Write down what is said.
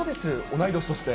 同い年として。